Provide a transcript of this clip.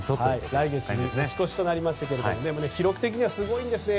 来月に持ち越しとなりましたが記録的にはすごいんですね。